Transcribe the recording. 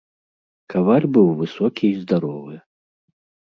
Каваль быў высокі і здаровы.